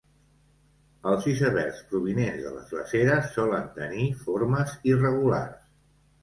Els icebergs provinents de les glaceres solen tenir formes irregulars.